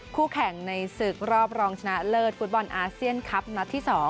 คู่แข่งในศึกรอบรองชนะเลิศฟุตบอลอาเซียนคลับนัดที่๒